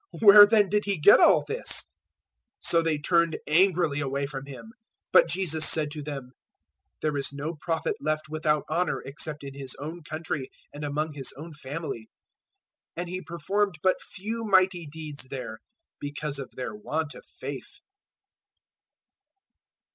Where then did he get all this?" 013:057 So they turned angrily away from Him. But Jesus said to them, "There is no prophet left without honour except in his own country and among his own family." 013:058 And He performed but few mighty deeds there because of their want of faith.